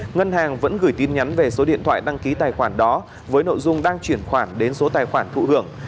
ngân hàng vẫn gửi tin nhắn về số điện thoại đăng ký tài khoản đó với nội dung đang chuyển khoản đến số tài khoản thụ hưởng